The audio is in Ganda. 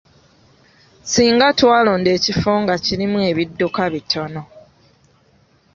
Singa twalonda ekifo nga kirimu ebidduka bitono.